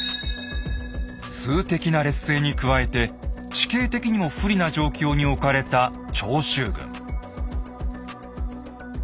数的な劣勢に加えて地形的にも不利な状況に置かれた長州軍。